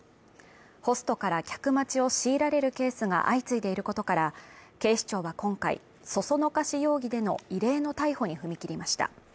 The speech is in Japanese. ホストから客待ちを強いられるケースが相次いでいることから、警視庁は今回そそのかし容疑での異例の逮捕に踏み切りました。